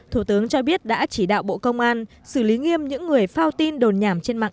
thủ tướng cho biết đã chỉ đạo bộ công an xử lý nghiêm những người phao tin đồn nhảm trên mạng